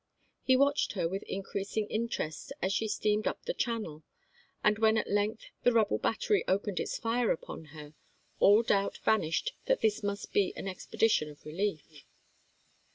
He watched her with increasing inter est as she steamed up the channel, and when at length the rebel battery opened its fire upon her, all doubt vanished that this must be an expedition of relief.